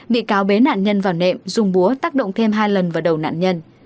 bị cáo bế nạn nhân vào nệm dùng búa tác động thêm hai lần vào đầu nạn nhân